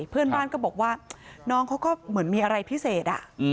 เพื่อนบ้านก็บอกว่าน้องเขาก็เหมือนมีอะไรพิเศษ